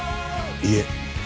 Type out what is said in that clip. いえ。